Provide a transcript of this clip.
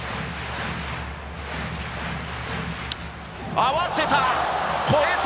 合わせた。